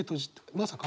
まさか。